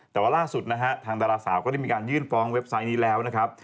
แต่ว่าล่าสุดนะฮะทางดาราสาวก็ได้มีการยื่นฟ้องเว็บไซต์นี้แล้วนะครับ